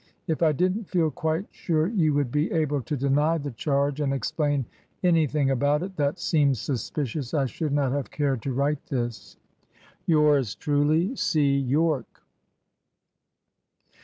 If I didn't feel quite sure you would be able to deny the charge and explain anything about it that seems suspicious, I should not have cared to write this. "Yours truly, "C. Yorke."